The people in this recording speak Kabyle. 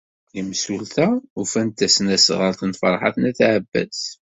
Imsulta ufan-d tasnasɣalt n Ferḥat n At Ɛebbas.